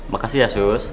makasih ya sus